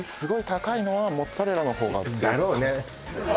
だろうね